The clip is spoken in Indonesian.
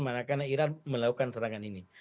manakala iran melakukan serangan ini